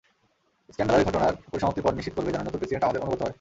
স্ক্যান্ডালের ঘটনার পরিসমাপ্তির পর নিশ্চিত করবে যেন নতুন প্রেসিডেন্ট আমাদের অনুগত হয়!